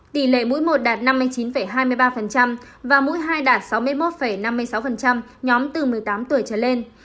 tỷ lệ mũi một đạt năm mươi chín hai mươi ba và mũi hai đạt sáu mươi một năm mươi sáu nhóm từ một mươi tám tuổi trở lên